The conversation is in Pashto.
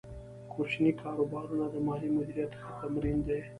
کوچني کاروبارونه د مالي مدیریت ښه تمرین دی۔